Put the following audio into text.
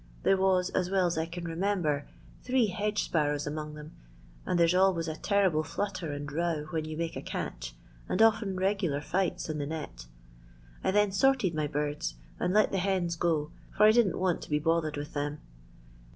There was, as well as I can remember, three hedge sparrows among them, and two larks, and one or two other birds. Yes, there 's always a terrible flutter and row when you make a catch, and often regular fights in the net. I then sorted my birds, and let the hens go, for I didn't want to be bothered with them.